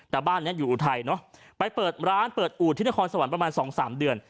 แต่บ้านนี้อยู่อุทัยเนอะไปเปิดร้านเปิดอูดที่นครสวรรค์ประมาณสองสามเดือน